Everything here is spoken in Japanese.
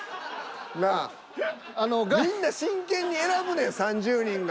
なあみんな真剣に選ぶねん３０人が。